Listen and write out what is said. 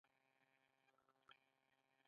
مولناصاحب غوښتل حضرت شیخ الهند ته رپوټ ورکړي.